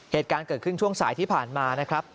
เหตุการณ์เกิดขึ้นช่วงสายที่ผ่านมานะครับ